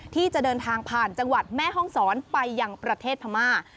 ที่จะเดินทางผ่านจังหวัดแม่ห้องศรไปยังประเทศพม่า